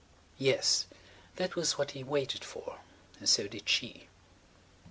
..." Yes, that was what he waited for and so did she.